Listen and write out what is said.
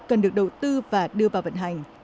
cần được đầu tư và đưa vào vận hành